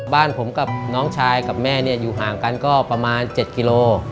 บ้านผมกับน้องชายกับแม่เนี่ยอยู่ห่างกันก็ประมาณ๗กิโล